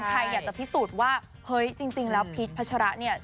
ใครอยากจะพิสูจน์ว่าเฮ้ยจริงแล้วพีชพัชระเนี่ย